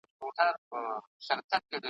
ژوند له دې انګار سره پیوند لري ,